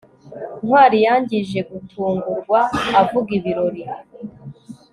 ntwali yangije gutungurwa avuga ibirori